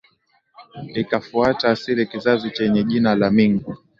Ikafuata asili kizazi chenye jina la Ming